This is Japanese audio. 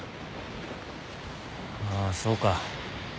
ああそうか。